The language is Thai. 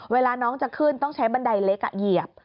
เวลาน้องจะขึ้นต้องใช้บันไดเล็กเหยียบ